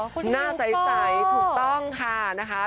คุณพี่ยูโก้น่าใสถูกต้องค่ะนะคะ